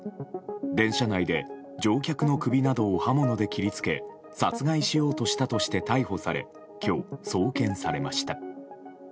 電車内で乗客の首などを刃物で切りつけ殺害しようとしたとして逮捕され今日、送検されました。